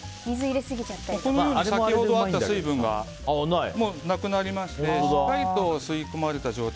先ほどあった水分がなくなりましてしっかりと吸い込まれた状態。